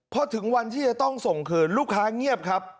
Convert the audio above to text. พอถึงวันที่จะต้องส่งคืนลูกค้าเงียบครับ